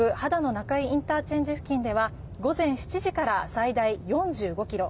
中井ＩＣ付近では午前７時から最大４５ｋｍ。